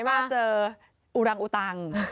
อยากมาเจออุรังอุตัง